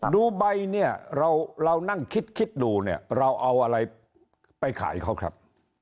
ดูใบเนี่ยเรานั่งคิดคิดดูเนี่ยเราเอาอะไรไปขายเขาครับ